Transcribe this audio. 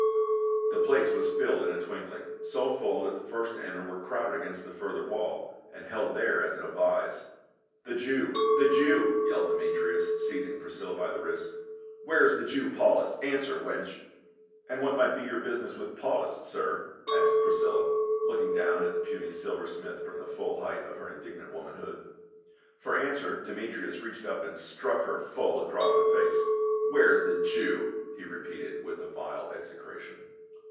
The place was filled in a twinkling, so full that the first to enter were crowded against the further wall, and held there as in a vise. "The Jew — the Jew!" yelled Demetrius, . ^ciz ing 372 PA UL. Priscilla by the wrist. " Where is the Jew, Paulus ? Answer, wench !" "And what might be your business with Paulus, sir?" asked Priscilla, looking down at the puny sih'er smith from the full height of her indignant womanhood. For answer Demetrius reached up and struck her full across the face. "Where is the Jew?" he re peated with a vile execration.